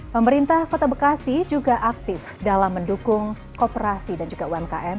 pemerintah kota bekasi juga aktif dalam mendukung kooperasi dan juga umkm